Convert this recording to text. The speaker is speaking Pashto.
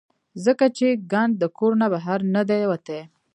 ځکه چې ګند د کور نه بهر نۀ دے وتے -